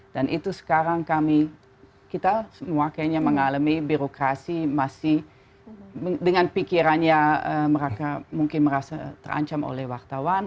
dan itu sekarang kami kita semua kayaknya mengalami birokrasi masih dengan pikirannya mereka mungkin merasa terancam oleh wartawan